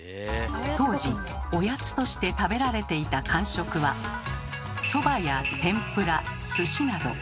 当時「御八つ」として食べられていた間食はそばや天ぷらすしなど。